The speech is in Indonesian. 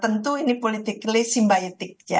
tentu ini politik simpaitik